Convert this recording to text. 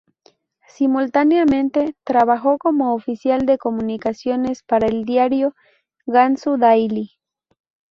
Simultáneamente, trabajó como oficial de comunicaciones para el diario Gansu Daily.